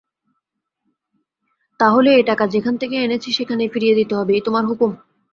তা হলে এ টাকা যেখান থেকে এনেছি সেইখানেই ফিরিয়ে দিতে হবে এই তোমার হুকুম?